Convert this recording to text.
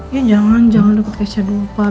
iya jangan jangan deket kesya dulu pak